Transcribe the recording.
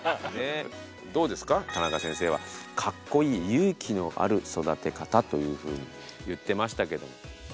どうですか田中先生は「かっこいい勇気のある育てかた」というふうに言ってましたけども。